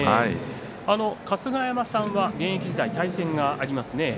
春日山さんは現役時代、対戦があります。